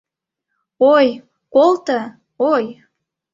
Ой, колто, ой!